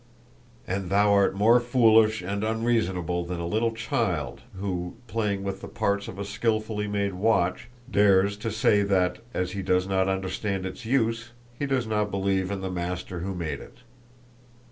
"And thou art more foolish and unreasonable than a little child, who, playing with the parts of a skillfully made watch, dares to say that, as he does not understand its use, he does not believe in the master who made it.